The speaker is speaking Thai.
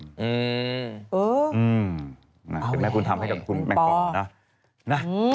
เป็นแม่บุญธรรมให้กับคุณแม่งปอนะ